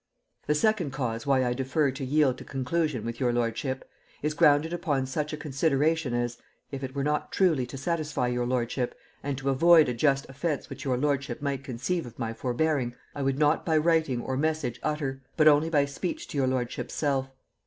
"The second cause why I defer to yield to conclusion with your lordship, is grounded upon such a consideration as, if it were not truly to satisfy your lordship, and to avoid a just offence which your lordship might conceive of my forbearing, I would not by writing or message utter, but only by speech to your lordship's self.